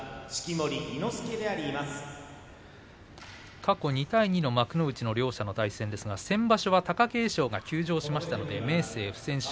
過去２対２の幕内の両者の対戦ですが先場所は貴景勝が休場しましたので明生は不戦勝。